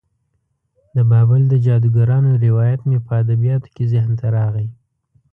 د بابل د جادوګرانو روایت مې په ادبیاتو کې ذهن ته راغی.